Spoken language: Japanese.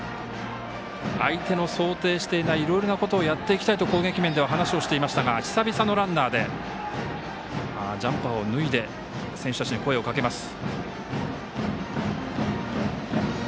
相手の想定していないいろいろなことをやっていきたいと攻撃面では話をしていましたが久々のランナーでジャンパーを脱いで選手たちに声をかけます。